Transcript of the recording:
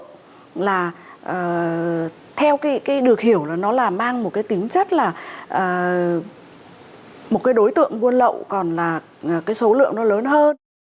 thứ là theo cái được hiểu là nó là mang một cái tính chất là một cái đối tượng buôn lậu còn là cái số lượng nó lớn hơn